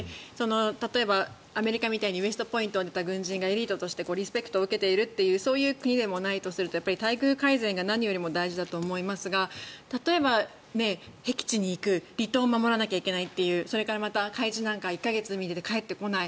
例えばアメリカみたいに軍人がエリートとしてリスペクトを受けているという国でもないとするとやっぱり待遇改善が何よりも大事だと思いますが例えばへき地に行く離島を守らなきゃいけないっていうそれから、また海自なんか１か月、海に出て帰ってこない。